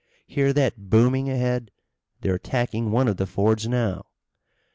Hear that booming ahead! They're attacking one of the fords now!"